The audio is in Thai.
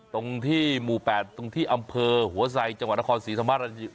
ตรงที่หมู่๘ตรงที่อำเภอหัวไซจังหวัดนครศรีธรรมราช